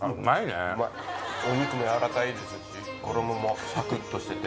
お肉も軟らかいですし衣もサクっとしてて。